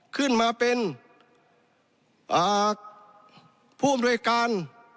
ขึ้นมาเป็นผู้อำนวยการ